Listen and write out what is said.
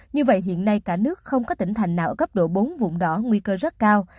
như vậy hiện nay cả nước không có tỉnh thành nào ở cấp độ bốn vùng đỏ nguy cơ rất cao